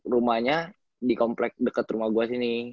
rumahnya dikomplek deket rumah gue sini